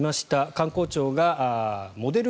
観光庁がモデル